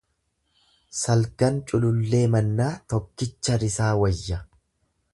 Saglan culullee mannaa tokkicha risaa wayya.